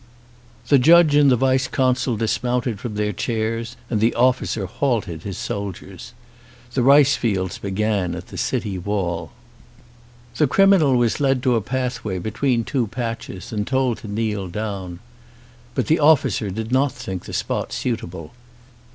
The judge and the vice consul dismounted from their chairs and the officer halted his soldiers. The rice fields began at the city wall. The criminal was led to a pathway between two patches and 228 THE VICE CONSUL told to kneel down. But the officer did not think the spot suitable.